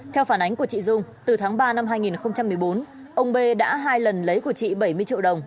theo phản ánh của chị dung từ tháng ba năm hai nghìn một mươi bốn ông b đã hai lần lấy của chị bảy mươi triệu đồng